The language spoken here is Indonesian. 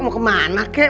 mau kemana kek